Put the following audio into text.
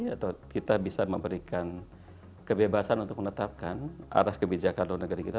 atau kita bisa memberikan kebebasan untuk menetapkan arah kebijakan luar negeri kita